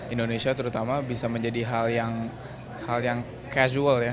indonesia terutama bisa menjadi hal yang casual ya